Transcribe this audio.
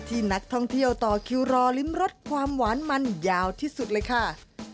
ที่นักท่องเที่ยวต่อคิวรอลิ้มรสความหวานมันยาวที่สุดเลยค่ะ